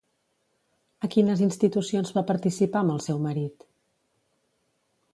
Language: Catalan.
A quines institucions va participar amb el seu marit?